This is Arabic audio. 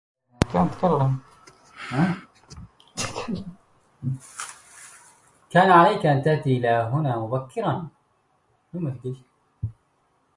كأن عليك أن تأتي إلى هنا مبكراً.